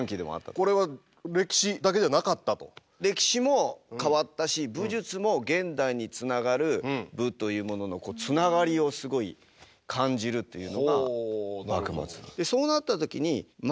歴史も変わったし武術も現代につながる武というもののつながりをすごい感じるというのが幕末。